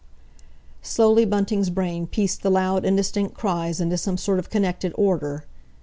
Slowly Bunting's brain pieced the loud, indistinct cries into some sort of connected order.